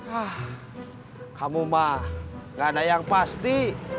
ah kamu mah gak ada yang pasti